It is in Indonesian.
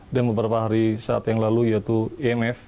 dan beberapa hari saat yang lalu yaitu imf